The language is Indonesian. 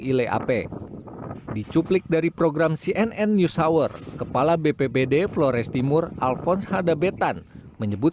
ileap dicuplik dari program cnn news hour kepala bpbd flores timur alphonse hadabetan menyebut